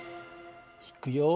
いくよ。